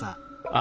あ。